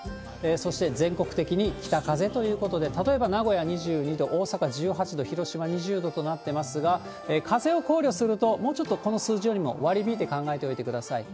そして全国的に北風ということで、例えば名古屋２２度、大阪１８度、広島２０度となってますが、風を考慮すると、もうちょっとこの数字よりも割り引いて考えておいてください。